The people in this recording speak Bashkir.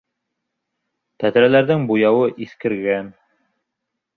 Тәҙрәләрҙең буяуы иҫкергән.